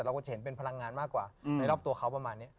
ก็จะเห็นเป็นพลังงานมากกว่าในรอบตัวเขาประมาณนี้